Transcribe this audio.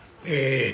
ええ。